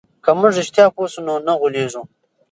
که موږ رښتیا پوه سو نو نه غولېږو.